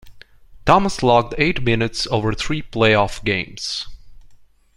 Thomas logged eight minutes over three playoff games.